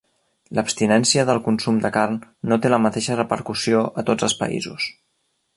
L'abstinència del consum de carn no té la mateixa repercussió a tots els països.